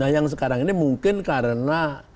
nah yang sekarang ini mungkin karena realitas masyarakat itu